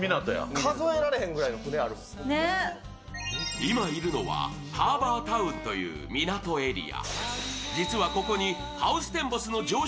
今いるのはハーバータウンという港エリア。